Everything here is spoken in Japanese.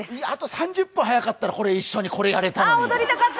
あと３０分早かったら、一緒にこれやったのに。